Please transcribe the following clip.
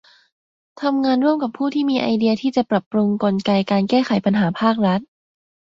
ทำงานร่วมกับผู้ที่มีไอเดียที่จะปรับปรุงกลไกการแก้ไขปัญหาภาครัฐ